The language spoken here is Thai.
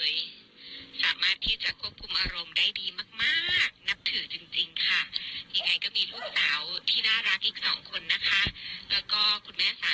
อย่างไรก็ต้องกำลังใจให้นะสู้นะคะ